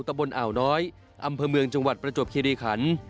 ตะบนอ่าวน้อยอำเภอเมืองจังหวัดประจวบคิริขัน